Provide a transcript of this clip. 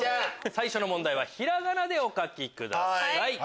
最初の問題は平仮名でお書きください。